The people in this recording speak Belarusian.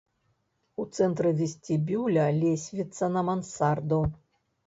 У цэнтры вестыбюля лесвіца на мансарду.